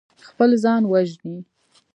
خپل ځان وژني.